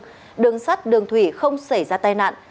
cụ thể đường sắt đường thủy không xảy ra tai nạn